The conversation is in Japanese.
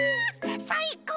さいこう！